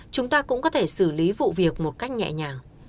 chúng ta cũng có thể xử lý vụ việc một cách nhẹ nhàng